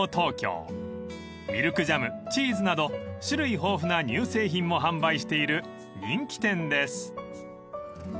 ［チーズなど種類豊富な乳製品も販売している人気店です］